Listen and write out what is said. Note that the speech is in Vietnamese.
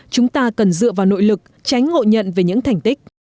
chúng ta cần dựa vào nội lực tránh ngộ nhận về những thành tích